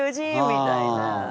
みたいな。